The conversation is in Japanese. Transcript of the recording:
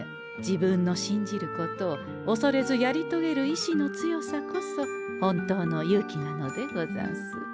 自分の信じることをおそれずやりとげる意志の強さこそ本当の勇気なのでござんす。